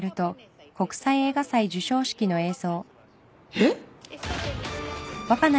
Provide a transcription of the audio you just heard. えっ？